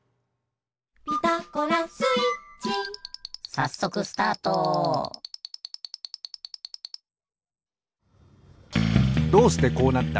さっそくスタートどうしてこうなった？